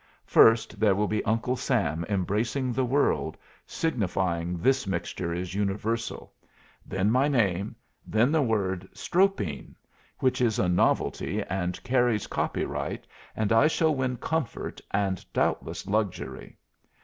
First there will be Uncle Sam embracing the world, signifying this mixture is universal, then my name, then the word Stropine, which is a novelty and carries copyright, and I shall win comfort and doubtless luxury.